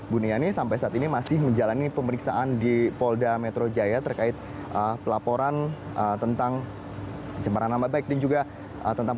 buniani sampai saat ini masih menjalani pemeriksaan di polda metro jaya terkait pelaporan tentang